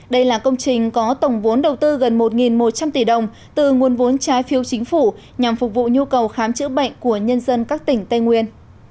đây là công trình có tổng vốn đầu tư gần một một trăm linh tỷ đồng từ nguồn vốn trái phiếu chính phủ nhằm phục vụ nhu cầu khám chữa bệnh của nhân dân các tỉnh tây nguyên